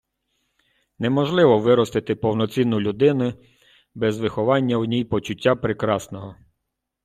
Неможливо виростити повноцінну людину без виховання в ній почуття Прекрасного.